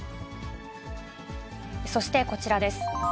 そしてこちらです。